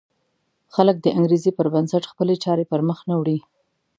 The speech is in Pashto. خلک د انګېزې پر بنسټ خپلې چارې پر مخ نه وړي.